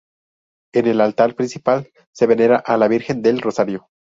En el altar principal se venera a la Virgen del Rosario.